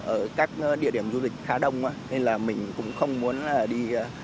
ở các địa điểm du lịch khá đông nên là mình cũng không muốn đi